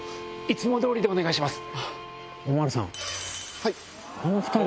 いつも通りでお願いします。